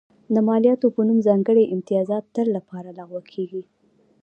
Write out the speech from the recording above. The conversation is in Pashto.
د مالیاتو په نوم ځانګړي امتیازات تل لپاره لغوه کېږي.